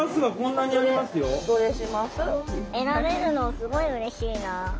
選べるのすごいうれしいな。